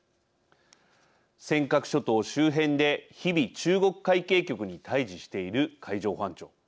尖閣諸島周辺で日々中国海警局に対じしている海上保安庁。